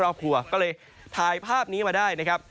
ไปได้ขอบคุณเลยทายภาพนี้มาได้นะครับ